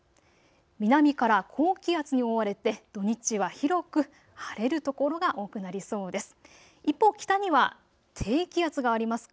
南から高気圧に覆われて土日は広く晴れる所が多くなりそうです。